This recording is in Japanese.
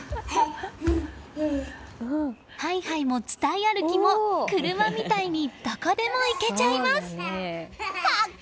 ハイハイも伝い歩きも車みたいにどこでも行けちゃいます。